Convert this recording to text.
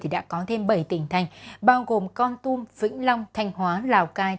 đã có thêm bảy tỉnh thành bao gồm con tum vĩnh long thanh hóa lào cai